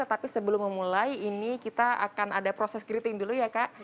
tapi sebelum memulai ini kita akan ada proses greeting dulu ya kak